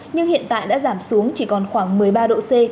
nhưng hiện tại đã giảm xuống chỉ còn khoảng một mươi ba độ c